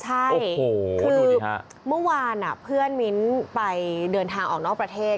ใช่คือเมื่อวานเพื่อนมิ้นไปเดินทางออกนอกประเทศ